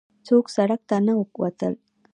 څوک سړک ته نه وتل.